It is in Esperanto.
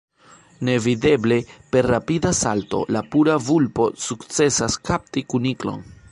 Nevideble, per rapida salto, la pura vulpo sukcesas kapti kuniklon.